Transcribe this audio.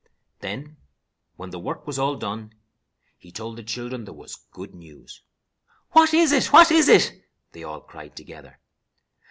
Then, when the work was all done, he told the children there was good news. "What is it, what is it?" they all cried together.